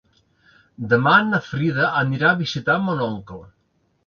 Demà na Frida anirà a visitar mon oncle.